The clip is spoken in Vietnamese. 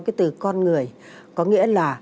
cái từ con người có nghĩa là